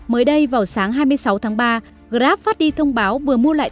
mới đây vào sáng hai mươi sáu tháng ba grab phát đi thông báo vừa mua lại